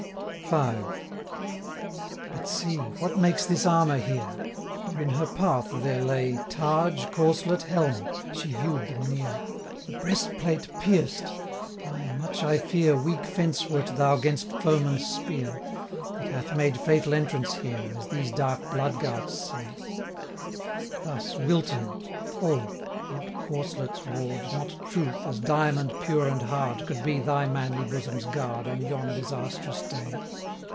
130 V. 'But see! what makes this armour here?' For in her path there lay Targe, corslet, helm; she view'd them near. 'The breast plate pierced! Ay, much I fear, Weak fence wert thou 'gainst foeman's spear, 135 That hath made fatal entrance here, As these dark blood gouts say. Thus Wilton! Oh! not corslet's ward, Not truth, as diamond pure and hard, Could be thy manly bosom's guard, 140 On yon disastrous day!'